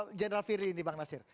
soal general firdy ini bang nasir